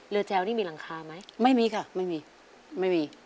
แจวนี่มีหลังคาไหมไม่มีค่ะไม่มีไม่มี